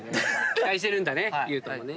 期待してるんだね裕翔もね。